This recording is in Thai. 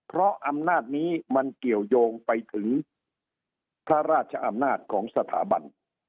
เพราะอำนาจนี้มันเกี่ยวยงไปถึงพระราชอำนาจของสถาบัน